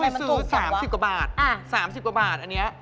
ไม่เคยซื้อ๓๐กว่าบาท